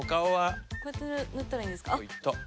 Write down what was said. こうやって塗ったらいいんですか？